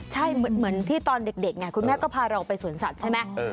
ใช่เหมือนที่ตอนเด็กไงคุณแม่ก็พาเราไปสวนสัตว์ใช่ไหม